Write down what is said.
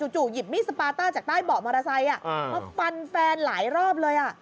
จู่หยิบมีดสปาต้าจากใต้เบาะมอเตอร์ไซค์มาฟันแฟนหลายรอบเลย